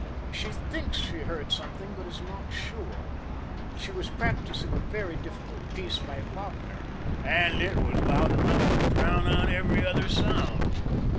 "She thinks she heard something, but is not sure. She was practicing a very difficult piece by Wagner " "And it was loud enough to drown out every other sound."